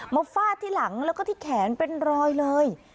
ฟาดที่หลังแล้วก็ที่แขนเป็นรอยเลย